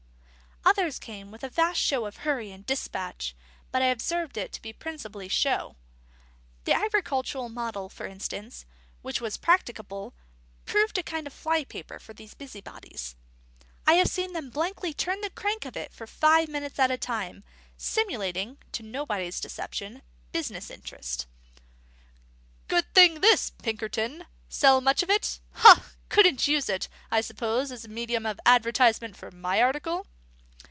Others came with a vast show of hurry and despatch, but I observed it to be principally show. The agricultural model for instance, which was practicable, proved a kind of flypaper for these busybodies. I have seen them blankly turn the crank of it for five minutes at a time, simulating (to nobody's deception) business interest: "Good thing this, Pinkerton? Sell much of it? Ha! Couldn't use it, I suppose, as a medium of advertisement for my article?"